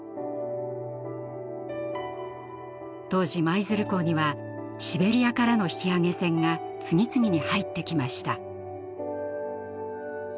当時舞鶴港にはシベリアからの引き揚げ船が次々に入ってきました。